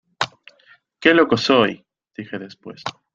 ¡Qué loco soy! dije después.